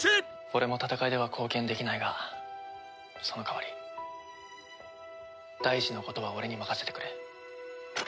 俺も戦いでは貢献できないがその代わり大二のことは俺に任せてくれ。